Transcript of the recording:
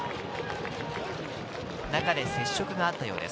中で接触があったようです。